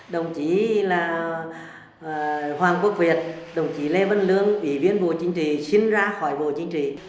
đồng chí là hoàng quốc việt đồng chí lê vân lương ủy viên bộ chính trị xin ra khỏi bộ chính trị